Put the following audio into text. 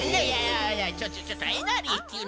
いやいやちょっちょっ